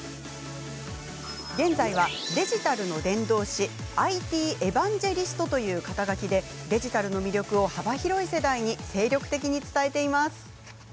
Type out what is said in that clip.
現在は、デジタルの伝道師ＩＴエバンジェリストという肩書でデジタルの魅力を幅広い世代に精力的に伝えています。